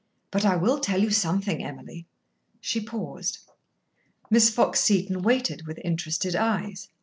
But I will tell you something, Emily." She paused. Miss Fox Seton waited with interested eyes.